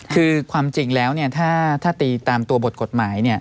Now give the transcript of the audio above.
คือความจริงแล้วถ้าตีตามตัวบทกฎหมาย